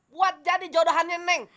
buat jadi jodohannya neng